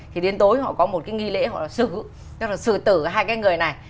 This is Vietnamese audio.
thì đến tối họ có một cái nghi lễ họ sử tử hai cái người này